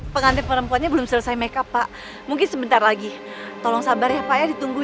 pengantin perempuannya belum selesai makeup pak mungkin sebentar lagi tolong sabar ya pak ya ditunggu